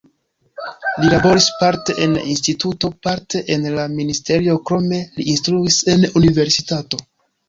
Li laboris parte en instituto, parte en la ministerio, krome li instruis en universitato.